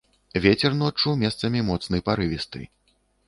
Вецер ноччу месцамі моцны парывісты.